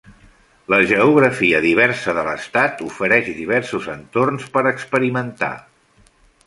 La geografia diversa de l'estat ofereix diversos entorns per experimentar.